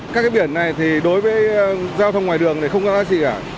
các cái biển này thì đối với giao thông ngoài đường thì không có gì cả